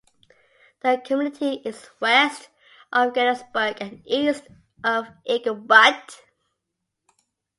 The community is west of Gettysburg and east of Eagle Butte.